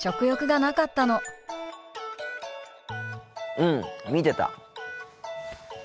うん見てた。